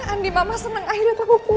andi mama seneng akhirnya tau